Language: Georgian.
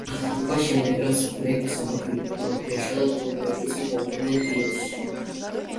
მას შემდეგ, რაც ბლექ საბათი კვლავ დაიშალა, დიო და ეპისი დაუბრუნდნენ დიოს.